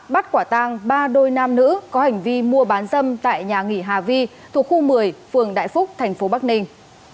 bắt quả tang ba đôi nam nữ có hành vi mua bán dâm tại nhà nghỉ hà vi thuộc khu một mươi phường đại phúc thành phố bắc ninh